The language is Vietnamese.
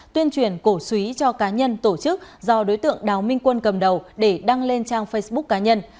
tuyên truyền cổ suý cho cá nhân tổ chức do đối tượng đào minh quân cầm đầu để đăng lên trang facebook cá nhân